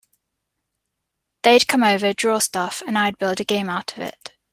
They'd come over, draw stuff, and I'd build a game out of it.